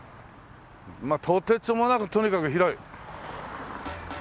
とてつもなくとにかく広い。